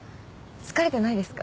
疲れてないですか？